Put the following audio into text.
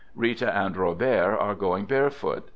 Rita and Robert are going barefoot.